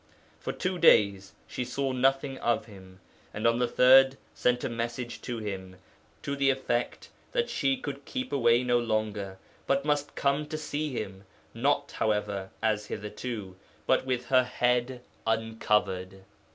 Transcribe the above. For two days she saw nothing of him, and on the third sent a message to him to the effect that she could keep away no longer, but must come to see him, not, however, as hitherto, but with her head uncovered.